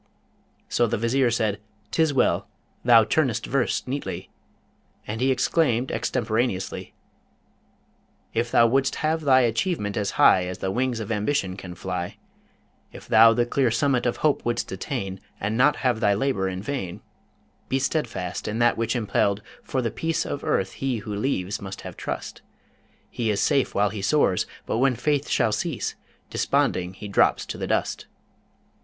So the Vizier said, ''Tis well, thou turnest verse neatly' And he exclaimed extemporaneously: If thou wouldst have thy achievement as high As the wings of Ambition can fly: If thou the clear summit of hope wouldst attain, And not have thy labour in vain; Be steadfast in that which impell'd, for the peace Of earth he who leaves must have trust: He is safe while he soars, but when faith shall cease, Desponding he drops to the dust.